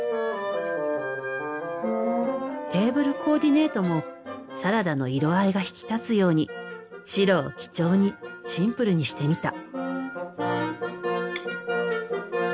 テーブルコーディネートもサラダの色合いが引き立つように白を基調にシンプルにしてみた。